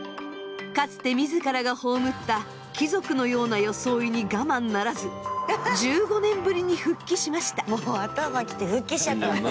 かつて自らが葬った貴族のような装いに我慢ならず１５年ぶりに復帰しました。